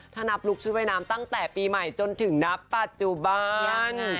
ถ้านับลุคชุดว่ายน้ำตั้งแต่ปีใหม่จนถึงนับปัจจุบัน